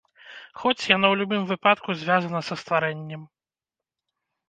Хоць, яно ў любым выпадку звязана са стварэннем.